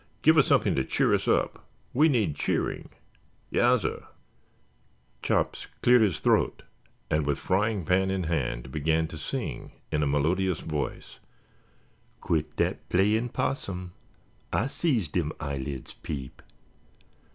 "Give us something to cheer us up. We need cheering." "Yassir." Chops cleared his throat and with frying pan in hand began to sing in a melodious voice: Quit dat playin' 'possum, Ah sees dem eyelids peep!